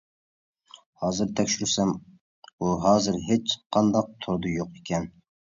ھازىر تەكشۈرسەم، ئۇ ھازىر ھېچ قانداق توردا يوق ئىكەن.